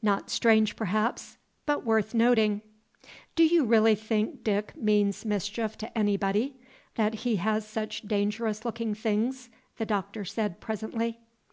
Not strange, perhaps, but worth noting. "Do you really think Dick means mischief to anybody, that he has such dangerous looking things?" the Doctor said, presently.